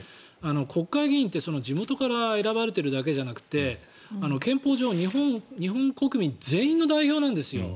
国会議員って、地元から選ばれているだけじゃなくて憲法上、日本国民全員の代表なんですよ。